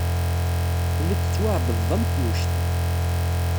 Telliḍ tettwaɛebdeḍ am tyuct.